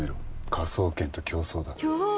科捜研と競争だ。